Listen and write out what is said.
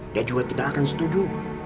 dia juga tidak akan setuju